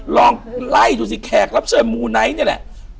ลองไล่ดูสิแขกรับเชิญมูไนท์นี่แหละ